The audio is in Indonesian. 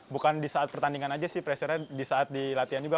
bukan di saat pertandingan aja sih pressure nya di saat di latihan juga